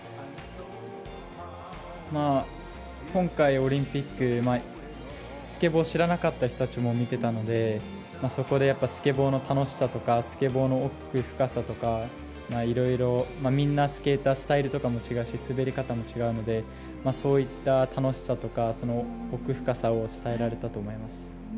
今回、オリンピックスケボー知らなかった人たちも見ていたのでそこでスケボーの楽しさとかスケボーの奥深さとかいろいろみんなスケータースタイルとかも違うし滑り方も違うのでそういった楽しさとか奥深さを伝えられたと思います。